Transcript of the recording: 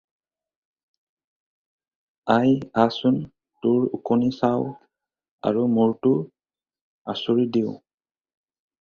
আই আহচোন, তোৰ ওকণি চাওঁ আৰু মূৰটো আঁচুৰি দিওঁ।